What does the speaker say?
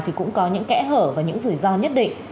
thì cũng có những kẽ hở và những rủi ro nhất định